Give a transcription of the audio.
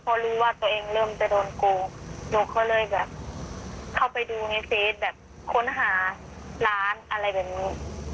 พอรู้ว่าตัวเองเริ่มจะโดนโกงหนูก็เลยแบบเข้าไปดูในเฟสแบบค้นหาร้านอะไรแบบนี้